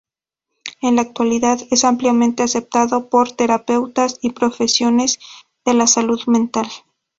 En la actualidad, es ampliamente aceptado por terapeutas y profesionales de la salud mental.